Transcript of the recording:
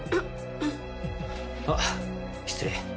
あっ失礼。